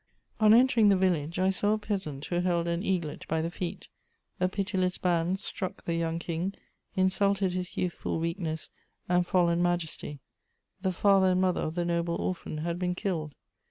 On entering the village, I saw a peasant who held an eaglet by the feet; a pitiless band struck the young king, insulted his youthful weakness and fallen majesty; the father and mother of the noble orphan had been killed.